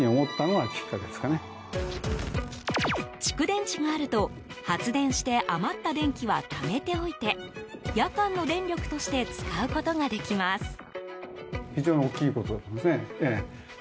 蓄電池があると、発電して余った電気はためておいて夜間の電力として使うことができます。